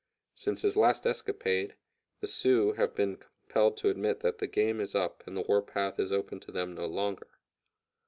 Since his last escapade, the Sioux have been compelled to admit that the game is up and the war path is open to them no longer.